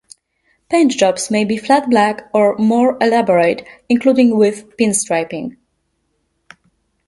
Paint jobs may be flat black, or more elaborate, including with pinstriping.